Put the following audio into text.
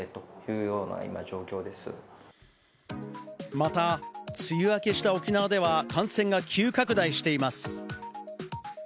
また、梅雨明けした沖縄では感染が急拡大しています。